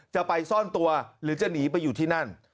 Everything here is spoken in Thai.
จะไปซ่อนตัวหรือจะหนีไปอยู่ที่นั่น